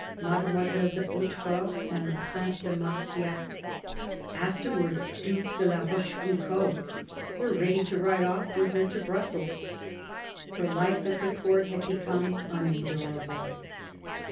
Mademoiselle de Hautefort and the Prince de Marcillac— afterwards Due de la Rochefoucauld — were ready to ride off with her to Brussels. Her Ufe at the Court had become unendurable.